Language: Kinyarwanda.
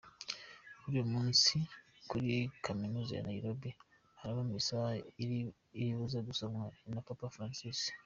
Kuru uyu munsi, kuri kaminuza ya Nairobi haraba Misa iribuze gusomwa na Papa Francis.